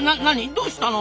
どうしたの？